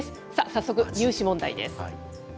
早速、入試問題です。